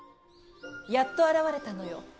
やっと現れたのよ